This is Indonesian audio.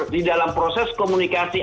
di dalam proses komunikasi